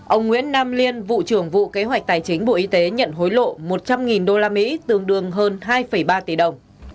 ông nguyễn nam liên vụ trưởng vụ kế hoạch tài chính bộ y tế nhận hối lộ một trăm linh usd tương đương hơn hai ba tỷ đồng